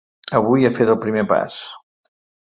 Avui ha fet el primer pas.